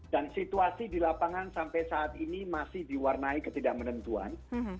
dan situasi di lapangan sampai saat ini masih diwarnai ketidakmenentuan